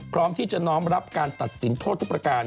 พร้อมที่จะน้อมรับการตัดสินโทษทุกประการ